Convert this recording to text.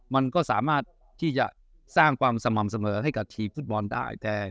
มันก็สามารถที่จะสร้างความสม่ำเสมอให้กับทีมฟุตบอลได้